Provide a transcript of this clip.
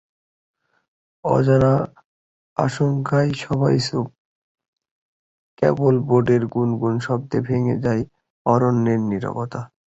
অজানা আশঙ্কায় সবাই চুপ, কেবল বোটের গুড়গুড় শব্দে ভেঙে যায় অরণ্যের নীরবতা।